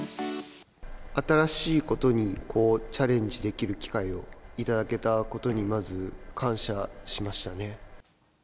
新しいことにチャレンジできる機会を頂けたことにまず感謝しましたね。